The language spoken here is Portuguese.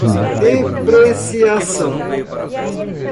depreciação